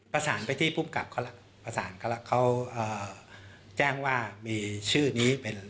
ประสานไปที่ภูมิกับเขาแล้วประสานเขาแล้วเขาแจ้งว่ามีชื่อนี้เป็น